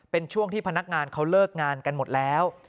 เป็นช่วงที่พนักงานเขาเลิกงานกันหมดแล้ว